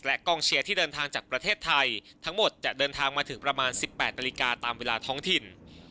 กองเชียร์ที่เดินทางจากประเทศไทยทั้งหมดจะเดินทางมาถึงประมาณ๑๘นาฬิกาตามเวลาท้องถิ่น